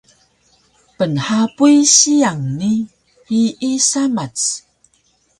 pnhapuy siyang ni hiyi samac